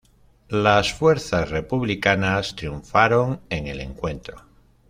Las fuerzas republicanas triunfaron en el encuentro.